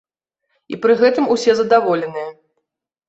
І пры гэтым усе задаволеныя!